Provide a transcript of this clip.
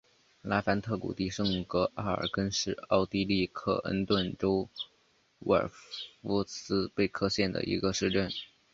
拉凡特谷地圣格奥尔根是奥地利克恩顿州沃尔夫斯贝格县的一个市镇。